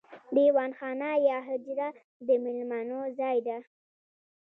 دیوان خانه یا حجره د میلمنو ځای دی.